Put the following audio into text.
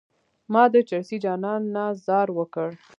ما د چرسي جانان نه ځار وکړ.